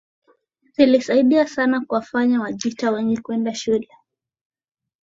zilisaidia sana kuwafanya Wajita wengi kwenda shule